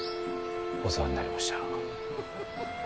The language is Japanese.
お世話になりました。